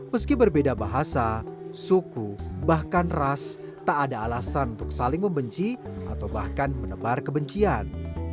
meski berbeda bahasa suku bahkan ras tak ada alasan untuk saling membenci atau bahkan menebar kebencian